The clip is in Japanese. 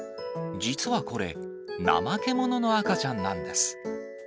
実はこれ、ナマケモノの赤ちゃんなんです。